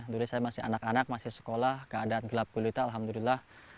dulu saya masih anak anak masih sekolah keadaan gelap kulita alhamdulillah